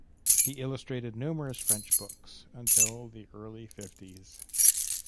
He illustrated numerous French books, until the early fifties.